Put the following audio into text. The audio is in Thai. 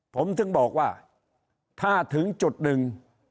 ผมถึงบอกว่าถ้าถึงจุดหนึ่ง